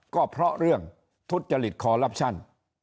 ก็เพราะเรื่องทุษยฤทธิ์คอรับชั่น